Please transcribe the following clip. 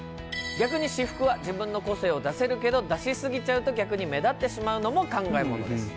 逆に私服は自分の個性を出せるけど出し過ぎちゃうと逆に目立ってしまうのも考えものです。